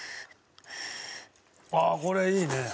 ああこれいいね。